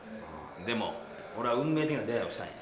でも俺は運命的な出合いをしたんや。